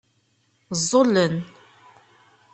Ẓẓullen.